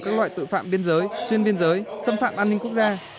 các loại tội phạm biên giới xuyên biên giới xâm phạm an ninh quốc gia